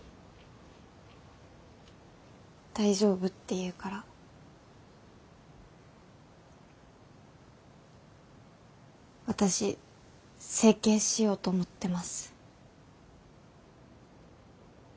大丈夫って言うから私整形しようと思ってます。